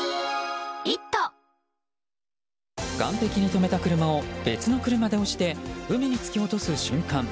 岸壁に止めた車を別の車で押して海に突き落とす瞬間。